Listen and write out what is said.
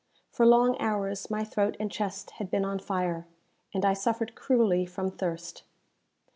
For long hours my throat and chest had been on fire, and I suffered cruelly from thirst.